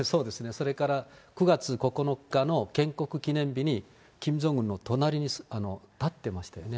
それから９月９日の建国記念日に、キム・ジョンウンの隣に立ってましたよね。